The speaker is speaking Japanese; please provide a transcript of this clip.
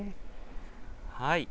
はい。